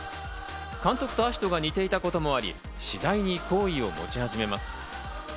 監督と葦人が似ていたこともあり、次第に好意を持ち始めます。